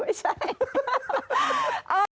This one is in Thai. ไม่ใช่